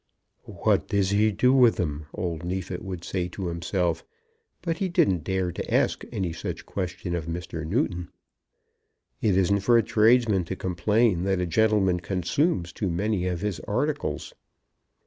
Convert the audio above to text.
"What does he do with 'em?" old Neefit would say to himself; but he didn't dare to ask any such question of Mr. Newton. It isn't for a tradesman to complain that a gentleman consumes too many of his articles.